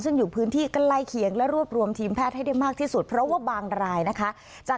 ซึ่งอยู่พื้นที่ใกล้เคียงและรวบรวมทีมแพทย์ให้ได้มากที่สุดเพราะว่าบางรายนะคะ